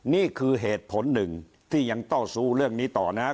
นี่คือเหตุผลหนึ่งที่ยังต้องสู้เรื่องนี้ต่อนะครับ